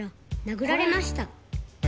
「殴られました」